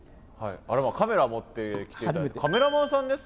あれまカメラ持ってきて頂いてカメラマンさんですか？